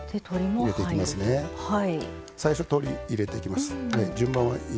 最初、鶏を入れていきます。